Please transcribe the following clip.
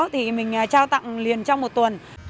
thì mình trao tặng liền trong một tuần